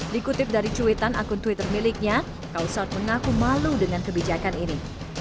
dikutip dari cuitan akun twitter miliknya kausal mengaku malu dengan kebijakan ini